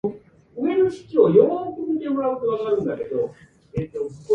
At the time, the only two known genera were "Segnosaurus" and "Erlikosaurus".